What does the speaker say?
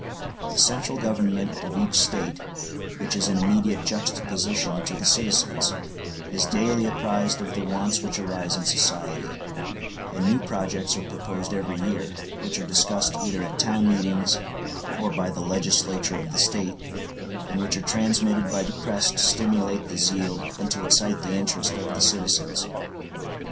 The central government of each State, which is in immediate juxtaposition to the citizens, is daily apprised of the wants which arise in society; and new projects are proposed every year, which are discussed either at town meetings or by the legislature of the State, and which are transmitted by the press to stimulate the zeal and to excite the interest of the citizens.